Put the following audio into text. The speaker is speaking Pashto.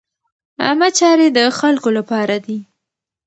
عامه چارې د خلکو له پاره دي.